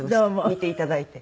見ていただいて。